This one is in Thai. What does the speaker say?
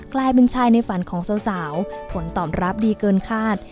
กลายเป็นชายในฝันของสาวผลตอบรับดีเกินคาด